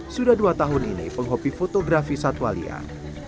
sudah dua tahun ini penghobi fotografi satwalian